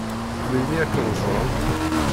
Melmi ad ken-ẓṛen?